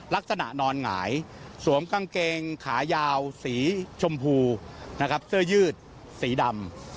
ลักษณะนอนหงายสวมกางเกงขายาวสีชมพูเสื้อยืดสีดำ